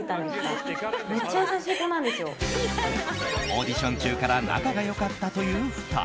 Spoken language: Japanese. オーディション中から仲が良かったという２人。